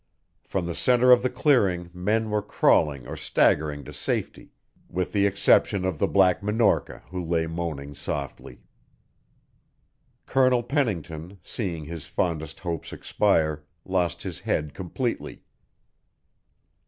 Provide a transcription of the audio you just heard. From the centre of the clearing men were crawling or staggering to safety with the exception of the Black Minorca, who lay moaning softly. Colonel Pennington, seeing his fondest hopes expire, lost his head completely.